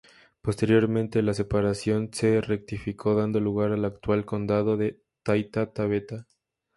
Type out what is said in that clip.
Posteriormente, la separación se rectificó, dando lugar al actual condado de Taita-Taveta.